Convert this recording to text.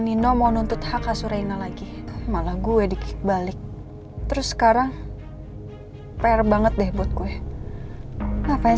nino mau nuntut hk surena lagi malah gue di balik terus sekarang pair banget deh buat gue ngapain